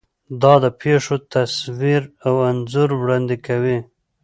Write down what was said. دا د پېښو تصویر او انځور وړاندې کوي.